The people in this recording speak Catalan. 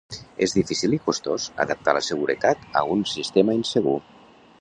És difícil i costós adaptar la seguretat a un sistema insegur.